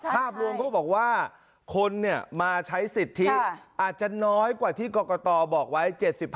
ภาพรวมเขาบอกว่าคนมาใช้สิทธิอาจจะน้อยกว่าที่กรกตบอกไว้๗๕